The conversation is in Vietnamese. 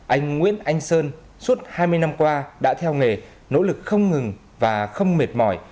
anh nguyễn anh sơn suốt hai mươi năm qua đã theo nghề nỗ lực không ngừng và không mệt mỏi